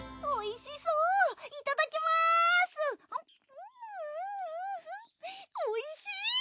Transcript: おいしい！